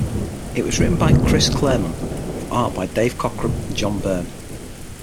It was written by Chris Claremont with art by Dave Cockrum and John Byrne.